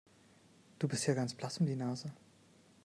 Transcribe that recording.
Du bist ja ganz blass um die Nase.